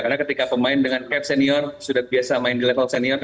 karena ketika pemain dengan caps senior sudah biasa main di level senior